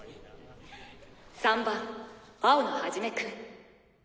３番青野一くん。